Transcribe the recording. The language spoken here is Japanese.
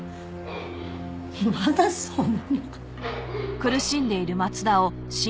まだそんな。